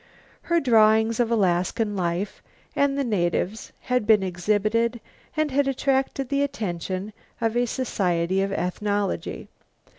Her drawings of Alaskan life and the natives had been exhibited and had attracted the attention of a society of ethnology.